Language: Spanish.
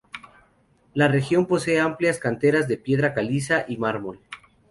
La región posee amplias canteras de piedra caliza y mármol.